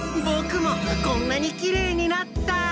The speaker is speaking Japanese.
ボクもこんなにきれいになった！